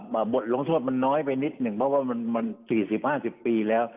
บ่อบทลงโทษมันน้อยไปนิดหนึ่งเพราะว่ามันมันสี่สิบห้าสิบปีแล้ว